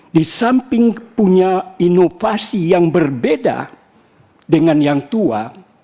di samping punya inovasi yang berbeda dengan yang tua